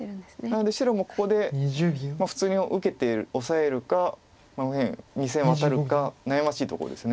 なので白もここで普通に受けてオサえるか右辺２線ワタるか悩ましいとこです。